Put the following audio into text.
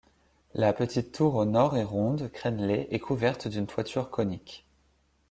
La petite tour au nord est ronde, crénelée et couverte d'une toiture conique.